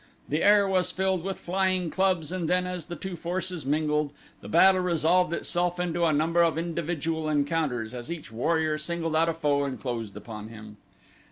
The air was filled with flying clubs and then as the two forces mingled, the battle resolved itself into a number of individual encounters as each warrior singled out a foe and closed upon him.